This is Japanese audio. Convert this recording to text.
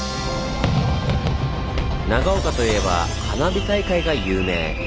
長岡といえば花火大会が有名。